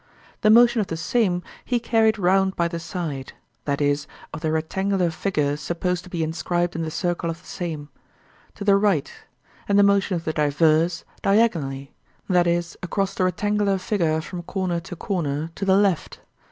The motion of the same he carried round by the side (i.e. of the rectangular figure supposed to be inscribed in the circle of the Same) to the right, and the motion of the diverse diagonally (i.e. across the rectangular figure from corner to corner) to the left.